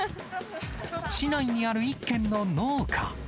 市内にある一軒の農家。